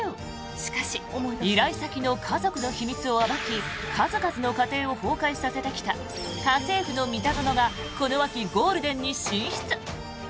しかし依頼先の家族の秘密を暴き数々の家庭を崩壊させてきた「家政夫のミタゾノ」がこの秋、ゴールデンに進出。